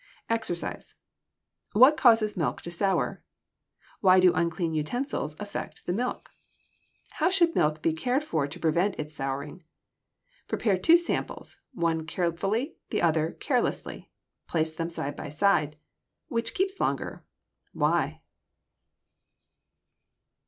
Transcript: EXERCISE What causes milk to sour? Why do unclean utensils affect the milk? How should milk be cared for to prevent its souring? Prepare two samples, one carefully, the other carelessly. Place them side by side. Which keeps longer? Why?